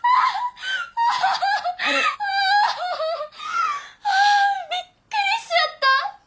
あびっくりしちゃった。